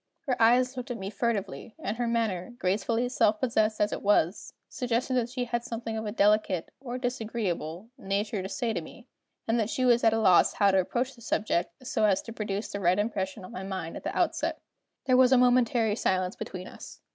Her eyes looked at me furtively; and her manner, gracefully self possessed as it was, suggested that she had something of a delicate, or disagreeable, nature to say to me, and that she was at a loss how to approach the subject so as to produce the right impression on my mind at the outset. There was a momentary silence between us.